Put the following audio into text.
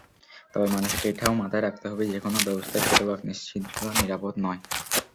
তবে মানুষকে এটাও মাথায় রাখতে হবে, যেকোনো ব্যবস্থাই শতভাগ নিশ্ছিদ্র নিরাপদ নয়।